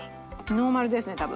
ノーマルですね多分。